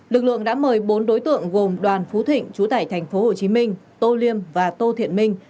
lực lượng đã mời bốn đối tượng gồm đoàn phú thịnh chú tải tp hcm tô liêm và tô thiện minh